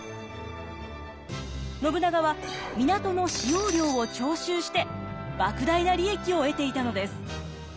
信長は港の使用料を徴収して莫大な利益を得ていたのです。